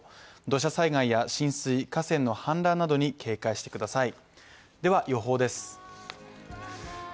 土砂災害や浸水、河川の氾濫などに警戒してください。